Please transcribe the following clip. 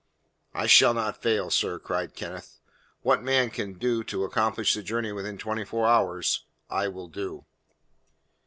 "I shall not fail, sir," cried Kenneth. "What man can do to accomplish the journey within twenty four hours, I will do."